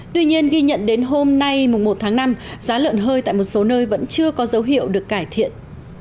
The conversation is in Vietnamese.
tuy nhiên ghi nhận đến hôm nay một tháng năm giá lợn hơi tại một số nơi vẫn chưa có dấu hiệu được cải thiện